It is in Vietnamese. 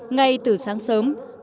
ngay từ sáng sớm